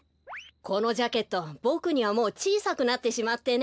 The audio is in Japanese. このジャケットボクにはもうちいさくなってしまってね。